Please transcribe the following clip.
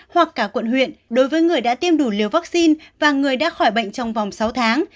hoặc cả quận huyện đối với người đã tiêm đủ liều vaccine và người đã khỏi bệnh trong vòng sáu tháng